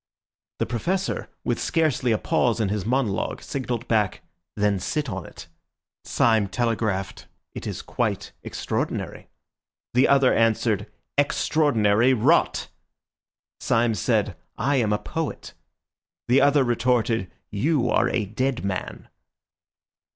The Professor, with scarcely a pause in his monologue, signalled back, "Then sit on it." Syme telegraphed, "It is quite extraordinary." The other answered, "Extraordinary rot!" Syme said, "I am a poet." The other retorted, "You are a dead man."